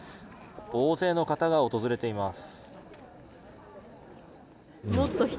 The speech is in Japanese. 大勢の方が訪れています。